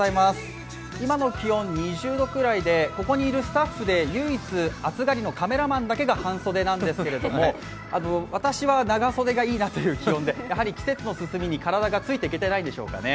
今の気温２０度くらいでここにいるスタッフで唯一暑がりのカメラマンだけが半袖なんですけれども私は長袖がいいなという気温で季節の進みに体がついていけていないんでしょうかね。